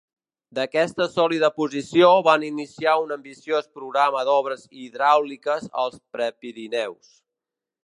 D'aquesta sòlida posició van iniciar un ambiciós programa d'obres hidràuliques als Prepirineus.